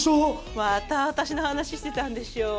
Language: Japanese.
また私の話してたんでしょ。